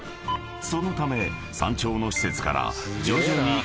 ［そのため山頂の施設から］